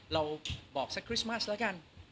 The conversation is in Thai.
เราบอกสักคริสต์มัสแล้วกัน